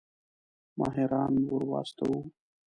ماهران ورواستوو.